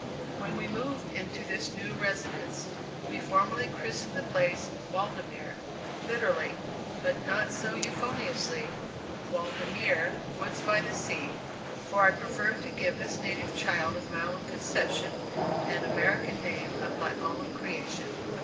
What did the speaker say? When we moved into this new residence, we formally christened the place "Waldemere," literally, but not so euphoniously, "Waldammeer," "Woods by the Sea," for I preferred to give this native child of my own conception an American name of my own creation.